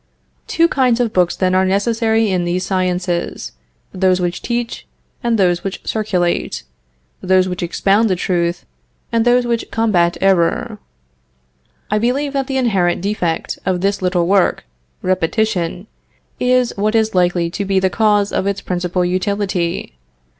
Two kinds of books then are necessary in these sciences, those which teach, and those which circulate; those which expound the truth, and those which combat error. I believe that the inherent defect of this little work, repetition, is what is likely to be the cause of its principal utility.